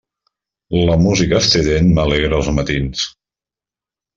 La música estrident m'alegra els matins.